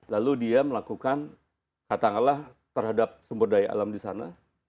lalu dia melakukan kata ngalah terhadap sumber daya alam disana